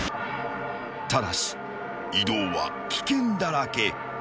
［ただし移動は危険だらけ］